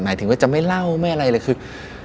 หมายถึงว่าจะไม่เล่าไม่อะไรเลยคือ